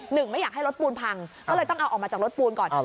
ไม่อยากให้รถปูนพังก็เลยต้องเอาออกมาจากรถปูนก่อน